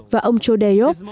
và ông cho dae yop